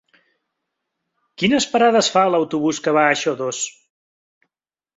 Quines parades fa l'autobús que va a Xodos?